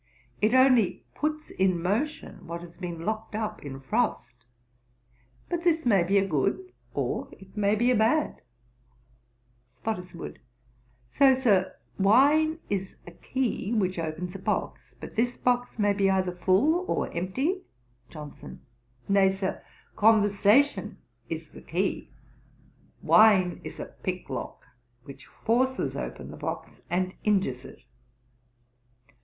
It only puts in motion what has been locked up in frost. But this may be good, or it may be bad.' SPOTTISWOODE. 'So, Sir, wine is a key which opens a box; but this box may be either full or empty.' JOHNSON. 'Nay, Sir, conversation is the key: wine is a pick lock, which forces open the box and injures it.